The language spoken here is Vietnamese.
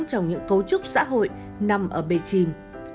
trong những cấu trúc xã hội nằm ở bề chìm